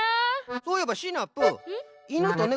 そういえばシナプーいぬとね